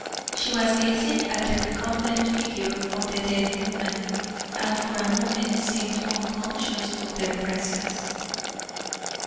She was gazing at the recumbent figure of the dead woman, and for a moment seemed unconscious of their presence.